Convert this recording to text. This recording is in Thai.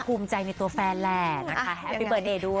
ภูมิใจในตัวแฟนแหละนะคะแฮปปี้เบิร์เดย์ด้วย